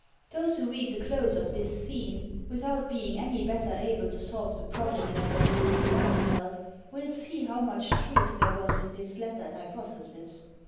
Those who read the close of this scene, without being any better able to solve the problem than was Count d'Ahle feld, will see how much truth there was in this latter hypothesis.